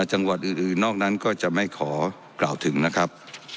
จังหวัดอื่นนอกนั้นก็จะไม่ขอกล่าวถึงนะครับ